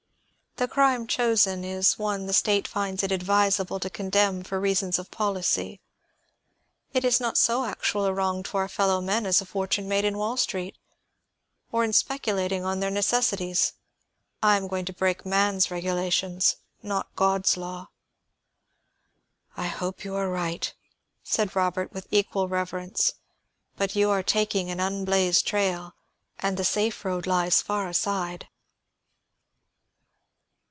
"The crime chosen is one the state finds it advisable to condemn for reasons of policy. It is not so actual a wrong to our fellow men as a fortune made in Wall Street or in speculating on their necessities. I am going to break man's regulations, not God's law." "I hope you are right," said Robert with equal reverence. "But you are taking an unblazed trail, and the safe road lies far aside."